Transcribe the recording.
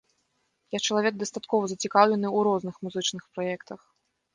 Я чалавек дастаткова зацікаўлены ў розных музычных праектах.